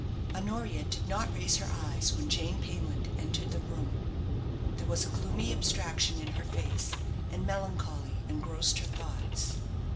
Honoria did not raise her eyes when Jane Payland entered the room. There was a gloomy abstraction in her face, and melancholy engrossed her thoughts.